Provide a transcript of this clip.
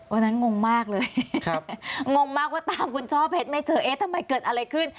งงมากเลยงงมากว่าตามคุณช่อเพชรไม่เจอเอ๊ะทำไมเกิดอะไรขึ้น